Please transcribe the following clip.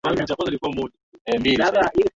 bila shaka atakula krismasi kwa furaha tele haswa